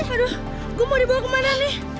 aduh gue mau dibawa kemana nih